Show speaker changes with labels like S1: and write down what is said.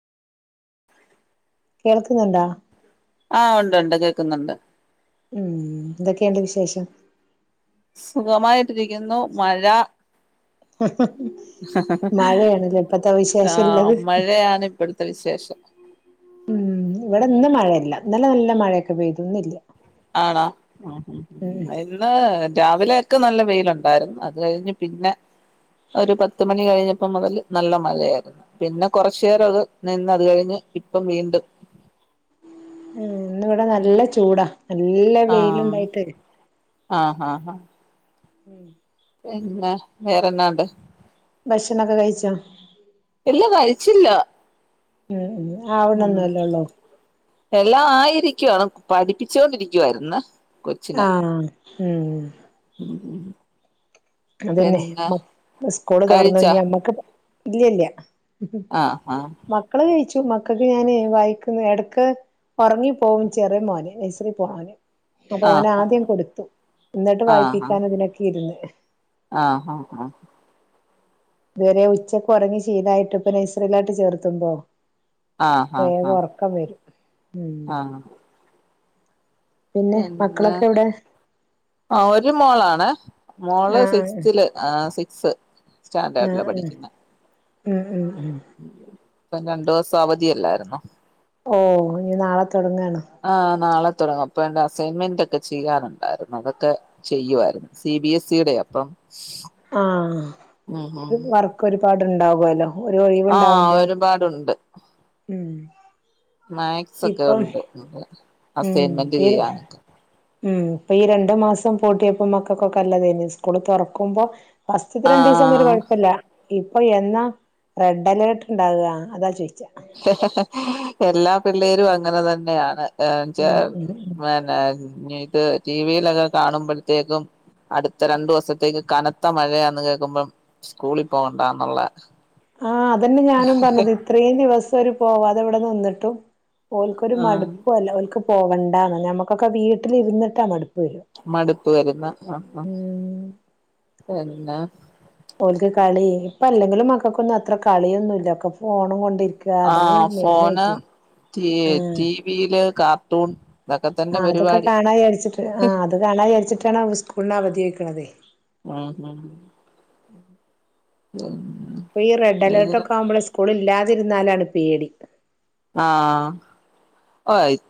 S1: കേൾക്കുന്നുണ്ടാ
S2: ആ ഉണ്ട് ഉണ്ട് കേക്കുന്നുണ്ട്
S1: ഉം എന്തൊക്കെണ്ട് വിശേഷം?
S2: സുഖമായിട്ടിരിക്കുന്നു മഴ-
S1: മഴയാണ് ലെ ഇപ്പത്തെ
S2: ആഹ്
S1: വിശേഷംള്ളത്?
S2: മഴയാണ് ഇപ്പോഴത്തെ വിശേഷം
S1: ഉം ഇവിടെ ഇന്ന് മഴല്ല. ഇന്നലെ നല്ല മഴയൊക്കെ പെയ്തു ഇന്നില്ല.
S2: ആണോ
S1: ഉം
S2: ഇന്ന് രാവിലെ- ക്ക് നല്ല വെയിലുണ്ടായിരുന്നു അത് കഴിഞ്ഞ് പിന്നെ ഒരു പത്ത് മണി കഴിഞ്ഞപ്പോ മുതൽ നല്ല മഴയായിരുന്നു. പിന്നെ കൊറച്ച് നേരം അത് നിന്ന- അത് കഴിഞ്ഞ് ഇപ്പം വീണ്ടും,
S1: ഉം ഇന്ന് ഇവിടെ നല്ല ചൂടാ, നല്ല വെയിലുണ്ടായിട്ട്
S2: ആഹ ഹഹ ഹ പിന്നെ വേറെന്നാണ്ട്?
S1: ഭക്ഷണക്കെ കഴിച്ചാ?
S2: ഇല്ലാ കഴിച്ചില്ല.
S1: ഉം ഉ
S2: ഉം
S1: ആവ്ണന്നല്ലേള്ളോ.
S2: എല്ലാം ആയിരിക്കുവാണ്, പഠിപ്പിച്ചൊണ്ടിരിക്കുവായിരുന്നു.
S1: ആഹ ഉം
S2: ഉം
S1: അതെന്നെ
S2: പിന്നെ
S1: മകൾക്ക് സ്കൂള് തുറന്നു.
S2: കഴിച്ചാ
S1: ഇനി നമ്മക്ക്, ഇല്ല ഇല്ല.
S2: ആഹ് ആഹ്
S1: മക്കള് കഴിച്ചു. മക്കൾക്ക് ഞൻ വായിക്കുന്ന ഇടക്ക് ഉറങ്ങി പോകും. ചെറിയ മോന്, നൈസറി പോണോന്. അപ്പൊ ഓന്
S2: ആഹ്
S1: ആദ്യം കൊടുത്തു. എന്നിട്ട് വായിപ്പിക്കാൻ ഇതിനൊക്കെ ഇരുന്ന്.
S2: ആഹ ആഹ് ആഹ
S1: ഇതുവരെ ഉച്ചക്ക് ഉറങ്ങി ശീലമായിട്ട്, ഇപ്പൊ നേഴ്സറിയിലായിട്ട് ചേർത്തുമ്പോ,
S2: ആഹ്
S1: വേഗം
S2: ആഹ്
S1: ഉറക്കം വരു. ഉം
S2: ആഹ്
S1: പിന്നെ മക്കളൊക്കെ എവിടെ
S2: ആ ഒരു മോൾ ആണ്. മോള്
S1: ആഹ്
S2: സിക്സ്ത്തിൽ, ആ സിക്സ്.
S1: ആഹ്
S2: സ്റ്റാൻഡേർഡിലാ
S1: ആഹ്
S2: പഠിക്കുന്നെ.
S1: ഉം ഉം ഉം
S2: ഇപ്പോ രണ്ടു ദിവസം അവധിയല്ലായിരുന്നോ?
S1: ഓ, ഇനി നാളെ തൊടങ്ങാണ്.
S2: ആഹ് നാളെ തുടങ്ങും. അപ്പോ എന്റെ അസൈൻമെന്റ് ഒക്കെ ചെയ്യാനുണ്ടായിരുന്നു, അതൊക്കെ ചെയ്യുവായിരുന്നു. സി ബി എസ് ഇടെയാ, അപ്പം
S1: ആഹ
S2: ഉം ഉം
S1: ഒരു വർക്ക് ഒരുപാട്ണ്ടാാവല്ലോ? ഒരു
S2: ആഹ്
S1: ഒഴിവുണ്ടാവുമ്പോ,
S2: ഒരുപാടുണ്ട്
S1: ഉം
S2: മാക്സ് ഒക്കെ
S1: ഇപ്പം
S2: ഉണ്ട്,
S1: ഉം
S2: അസൈൻമെന്റ് ചെയ്യാന്
S1: ഉം ഇപ്പൊ ഈ രണ്ടു മാസം പൂട്ടിയപ്പോ മക്കൾക്കൊക്കെ നല്ല ഇതയ്നി, സ്കൂള് തുറക്കുമ്പോ ഫസ്റ്റിത്തെ രണ്ട ദിവസൊന്നും ഒരു
S2: ആഹ്
S1: കുഴപ്പല്ല. ഇപ്പൊ എന്നാ റെഡ് അലേർട്ട് ഉണ്ടാകുക അതാ ചോദിച്ചത്
S2: ഹ്ഹ ഹ എല്ലാ പിള്ളേരും അങ്ങനെ തന്നെയാണ്. എങ്ങനേച്ച
S1: ഉം ഉം ഉം
S2: പിന്നെ ഇന്ക് ടി വിയിലൊക്കെ കാണുമ്പോഴത്തേക്കും അടുത്ത രണ്ടു ദിവസത്തേക്ക് കനത്ത മഴയാന്ന് കേക്കുമ്പോ സ്കൂളീ പോകണ്ടാന്നുള്ള
S1: ആഹ അതന്നെ ഞാനും പറഞ്ഞത് ഇത്രയും ദിവസം ഒരു പോവാതെ ഇവിടെ നിന്നിട്ടും ഓലക്കൊരു
S2: ആഹ്
S1: മടുപ്പും അല്ല ഓലക്ക് പോവേണ്ടാന്ന്. ഞമ്മക്കൊക്കെ വീട്ടിലിരുന്നിട്ടാ മടുപ്പ്, വരും
S2: മടുപ്പ് വരുന്നാ, ആഹ അഹ്,
S1: ഉം
S2: എന്നാ
S1: ഓലക്ക് കളി ഇപ്പ അല്ലെങ്കിലും മക്കൾക്കൊന്നും അത്ര കളിയൊന്നുല്ല. ഒക്കെ ഫോണും കൊണ്ടരിക്ക
S2: ആഹ ഫോണ് ടിവിയില് കാർട്ടൂൺ ഇതൊക്കെ
S1: ആ
S2: തന്നെ
S1: അതൊക്കെ
S2: പരിപാടി
S1: കാണാ വിചാരിച്ചിട്ടാ ആഹ് അത് കാണാ വിചാരിച്ചിട്ടാണ് സ്കൂളിന് അവധി ചോയ്ക്ണത്.
S2: ഉം ഉം ഉം
S1: ഈ റെഡ്
S2: വേറെ
S1: അലെർട്ടൊക്കെ ആവുമ്പോൾ സ്കൂളില്ലാതിരുന്നാലാണ് പേടി
S2: ആഹ ആ